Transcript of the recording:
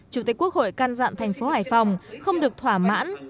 chủ tịch quốc hội căn dặn thành phố hải phòng không được thỏa mãn